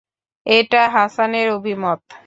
এটা হাসানের অভিমত।